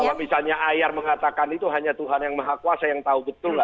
kalau misalnya ayar mengatakan itu hanya tuhan yang maha kuasa yang tahu betul